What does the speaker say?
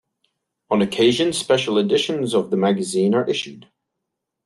On occasion, special editions of the magazine are issued.